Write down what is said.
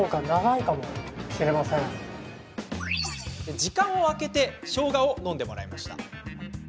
時間を空けてしょうがを飲んでもらいました。